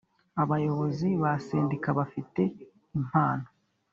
Abayobozi ba Sendika bafite impano